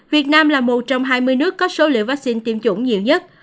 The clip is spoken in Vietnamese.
việt nam là một trong hai mươi nước có số liệu vắc xin tiêm chủng nhiều nhất